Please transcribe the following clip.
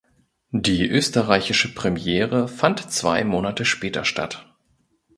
Die österreichische Premiere fand zwei Monate später statt.